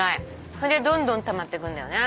それでどんどんたまっていくんだよね。